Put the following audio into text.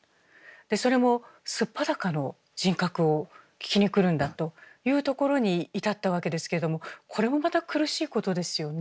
それも素っ裸の人格を聞きに来るんだというところに至ったわけですけれどもこれもまた苦しいことですよね。